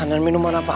jari selingkir kenapa